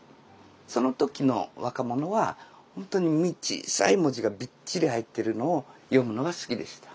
その時の若者はほんとに小さい文字がびっちり入っているのを読むのが好きでした。